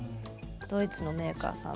ドイツのメーカーさん。